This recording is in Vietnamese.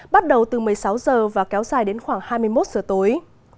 bắt đầu từ một mươi sáu h và kéo dài đến khoảng hai mươi một giờ tối